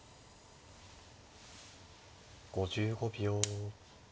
５５秒。